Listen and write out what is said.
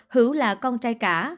hữu là con trai cả